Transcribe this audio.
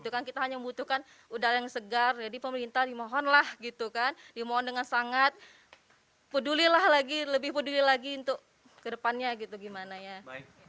kita hanya membutuhkan udara yang segar jadi pemerintah dimohon lah gitu kan dimohon dengan sangat pedulilah lagi lebih peduli lagi untuk kedepannya gitu gimana ya